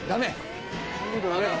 ダメ？